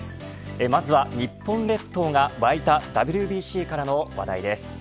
まずは日本列島が湧いたＷＢＣからの話題です。